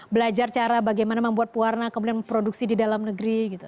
belajar cara bagaimana membuat pewarna kemudian memproduksi di dalam negeri gitu